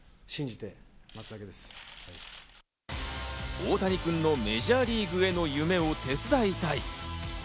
大谷君のメジャーリーグへの夢を手伝いたい。